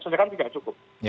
sebenarnya kan tidak cukup